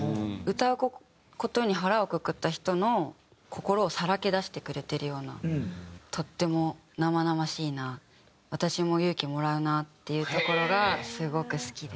歌う事に腹をくくった人の心をさらけ出してくれてるようなとっても生々しいな私も勇気もらうなっていうところがすごく好きです。